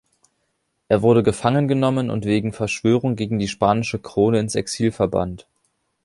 Er wurde gefangen genommen und wegen Verschwörung gegen die spanische Krone ins Exil verbannt.